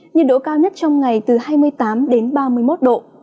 nhiệt độ cao nhất trong ngày từ hai mươi tám đến ba mươi một độ